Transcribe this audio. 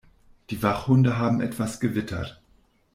Die Wachhunde haben etwas gewittert.